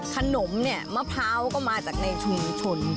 ขนมเนี่ยมะพร้าวก็มาจากในชุมชน